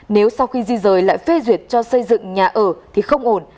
nếu sau khi di rời lại phê duyệt cho xây dựng nhà ở thì không ổn